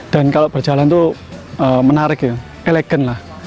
dan kalau berjalan itu menarik ya elegan lah